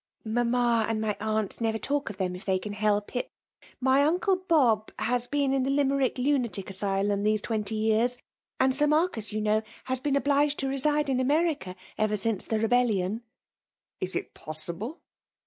Mamma and my aunt never talk of them if they can help it. My uncle Bob has been in the Limerick Lunatic Asylum these twefnty years; and Sir Marcus, you know, has been obliged to reside in America ever since the Rebeffion. Is it possible